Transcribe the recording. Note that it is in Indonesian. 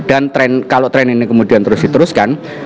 dan kalau tren ini kemudian terus diteruskan